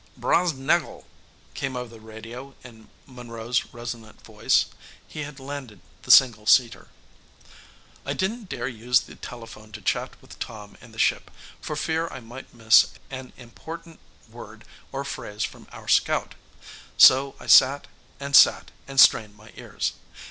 "Broz neggle!" came over the radio in Monroe's resonant voice. He had landed the single seater. I didn't dare use the telephone to chat with Tom in the ship, for fear I might miss an important word or phrase from our scout. So I sat and sat and strained my ears.